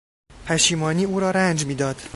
پشیمانی او را رنج میداد.